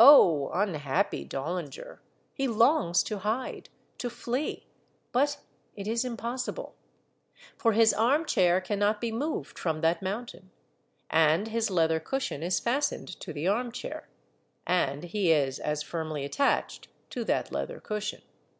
Oh, unhappy Dollinger ! he longs to hide, to flee, but it is impossible. For his armchair can not be moved from that mountain, and his leather cushion is fastened to the armchair, and he is as firmly attached to that leather cushion.